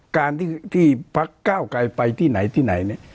การที่พักเก้าไกลไปที่ไหนที่ไหนเนี่ย